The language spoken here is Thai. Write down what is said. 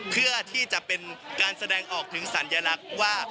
เพื่อที่จะเป็นการแสดงออกถึงสัญลักษณ์ว่า